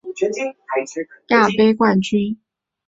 参赛球队为拉脱维亚超级足球联赛冠军和拉脱维亚杯冠军。